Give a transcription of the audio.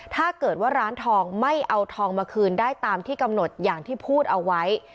ถ้าเกิดว่าร้านทองไม่เอาทองมาคืนได้ตามที่กำหนดอย่างที่พูดเอาไว้